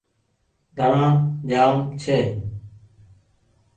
ڌڻآ جآم ڇي۔